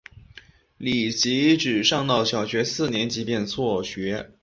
李琦只上到小学四年级便辍学。